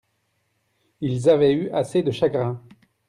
Ils avaient eu assez de chagrin.